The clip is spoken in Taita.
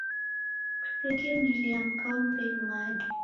Kusekemilia mka wa mmbenyu mada